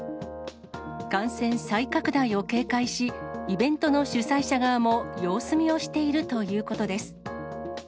感染再拡大を警戒し、イベントの主催者側も様子見をしているということです。